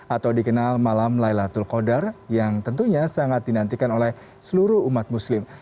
atau dikenal malam laylatul qadar yang tentunya sangat dinantikan oleh seluruh umat muslim